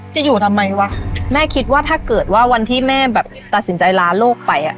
จะอยู่ทำไมวะแม่คิดว่าถ้าเกิดว่าวันที่แม่แบบตัดสินใจลาลูกไปอ่ะ